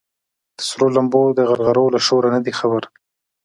د سرو لمبو د غرغرو له شوره نه دي خبر